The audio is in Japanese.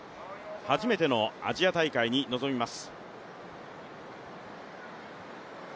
初めてのアジア大会に臨みます。